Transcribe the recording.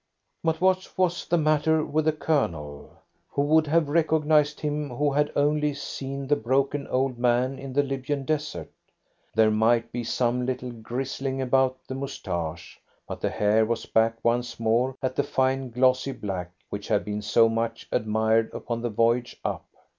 But what was the matter with the Colonel? Who would have recognised him who had only seen the broken old man in the Libyan Desert? There might be some little grizzling about the moustache, but the hair was back once more at the fine glossy black which had been so much admired upon the voyage up.